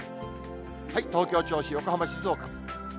東京、銚子、横浜、静岡。